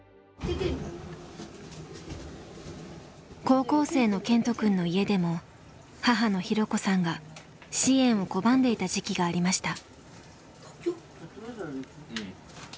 高校生の健人くんの家でも母の弘子さんが支援を拒んでいた時期がありました。